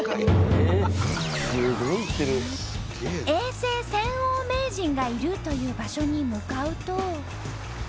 永世泉王名人がいるという場所に向かうと。